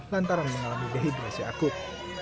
lantaran mengalami dehidrasi akut